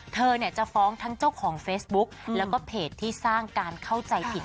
เธอเนี่ยจะฟ้องทั้งเจ้าของเฟซบุ๊กแล้วก็เพจที่สร้างการเข้าใจผิด